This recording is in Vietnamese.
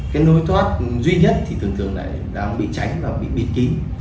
cái lối thoát duy nhất thì thường thường đã bị tránh và bị bịt kín